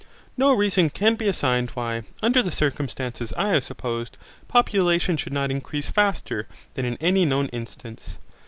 No reason can be assigned why, under the circumstances I have supposed, population should not increase faster than in any known instance.